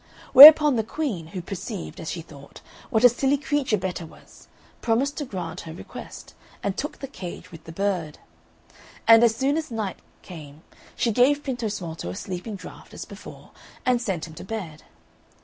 Whereupon the Queen, who perceived, as she thought, what a silly creature Betta was, promised to grant her request, and took the cage with the bird. And as soon as night came she gave Pintosmalto a sleeping draught as before, and sent him to bed.